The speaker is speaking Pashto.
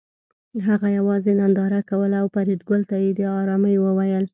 هغه یوازې ننداره کوله او فریدګل ته یې د ارامۍ وویل